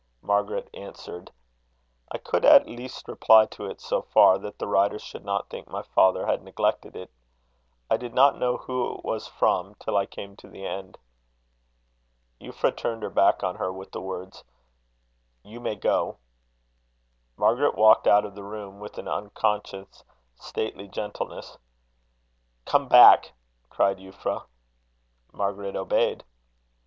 Margaret answered: "I could at least reply to it so far, that the writer should not think my father had neglected it. I did not know who it was from till I came to the end." Euphra turned her back on her, with the words: "You may go." Margaret walked out of the room with an unconscious stately gentleness. "Come back," cried Euphra. Margaret obeyed.